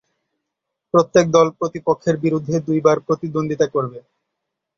প্রত্যেক দল প্রতিপক্ষের বিরুদ্ধে দুইবার প্রতিদ্বন্দ্বিতা করবে।